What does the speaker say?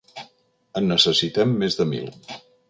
En necessitem més de mil.